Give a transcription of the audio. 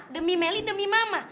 demi melih demi mama